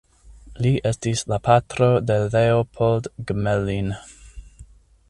Li estis la patro de Leopold Gmelin.